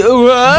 hah aku kembali